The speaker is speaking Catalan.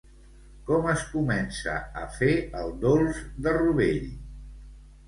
Com es comença a fer el dolç de rovell?